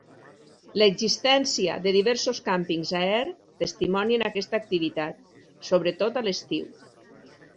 L'existència de diversos càmpings a Er testimonien aquesta activitat, sobretot a l'estiu.